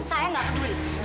saya enggak peduli